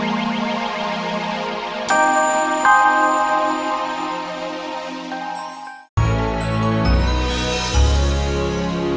kasar baginya ada